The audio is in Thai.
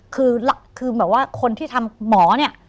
คือคือแบบว่าคนที่ทำหมอเนี่ย